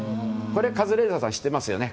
これ、カズレーザーさん知っていますよね。